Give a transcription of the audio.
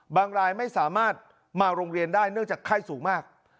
รายไม่สามารถมาโรงเรียนได้เนื่องจากไข้สูงมาก